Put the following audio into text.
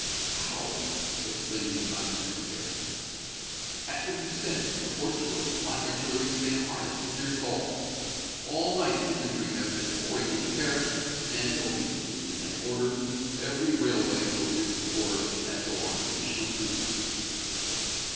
"How!" exclaimed the astonished Secretary. "At Vincennes, the horses of the flying artillery stand harnessed in their stalls! All night infantry have been pouring into Paris, and, obedient to midnight orders, every railway will disgorge, at dawn, additional troops!"